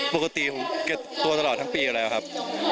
ปกติผมเก็บตัวตลอดทั้งปีอยู่แล้วครับ